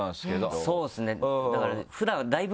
そうですねだから。